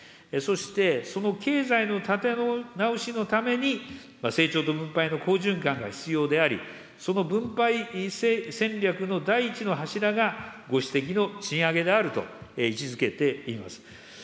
そして、その経済の立て直しのために、成長と分配の好循環が必要であり、その分配戦略の第１の柱が、ご指摘の賃上げであると位置づけています。